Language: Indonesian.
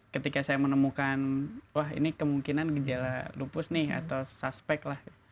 ketika saya menemukan wah ini kemungkinan gejala lupus nih atau suspek lah